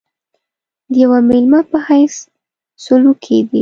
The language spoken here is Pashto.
د یوه مېلمه په حیث سلوک کېدی.